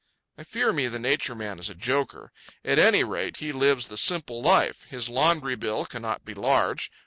I fear me the Nature Man is a joker. At any rate he lives the simple life. His laundry bill cannot be large.